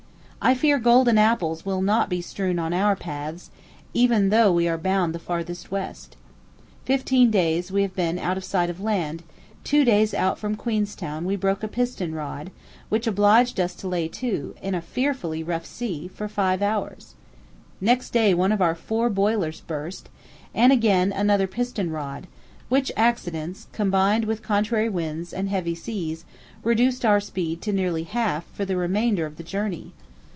I fear golden apples will not be strewn on our paths, even though we are bound the furthest west. Fifteen days have we been out of sight of land; two days out from Queenstown we broke a piston rod, which obliged us to lay to, in a fearfully rough sea, for five hours. Next day one of our four boilers burst, and again another piston rod; which accidents, combined with contrary winds and heavy seas, reduced our speed to nearly half for the remainder of the journey.